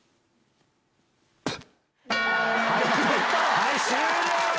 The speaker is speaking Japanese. はい、終了。